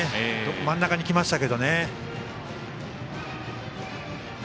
真ん中にきましたけど。